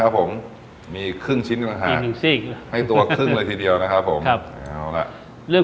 สปาเกตตี้ปลาทู